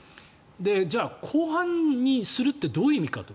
じゃあ後半にするってどういう意味かと。